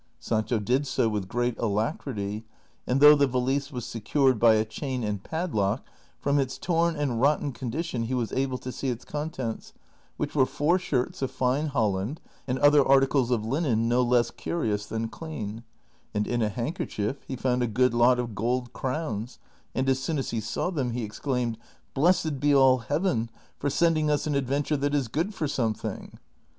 Sancho did so with great alacrity, and though the valise was secured by a chain and padlock, from its torn and rotten condition he was able to see its contents, which were four shirts of fine holland, and other articles of linen no less curious than clean; and in a handkerchief he found a good lot of gold crowns, and as soon as he saw them he exclaimed, " Blessed be all Heaven for sending us an ad venture that is good for something